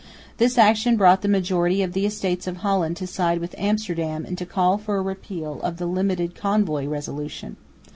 This action brought the majority of the Estates of Holland to side with Amsterdam and to call for a repeal of the "limited convoy" resolution.